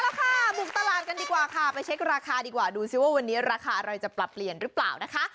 แล้วค่ะบุกตลาดกันดีกว่าค่ะไปเช็คราคาดีกว่าดูสิว่าวันนี้ราคาอะไรจะปรับเปลี่ยนหรือเปล่านะคะ